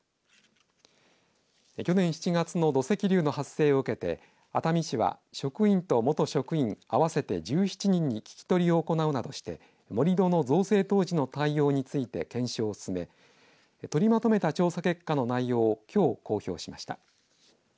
去年７月の土石流の発生を受けて熱海市は職員と元職員合わせて１７人に聞き取りを行うなどして盛り土の造成当時の対応について検証を進め取りまとめた調査結果の内容をきょう公表しました。